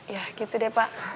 ya gitu deh pak